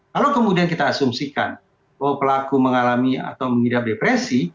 kalau kemudian kita asumsikan oh pelaku mengalami atau mengidap depresi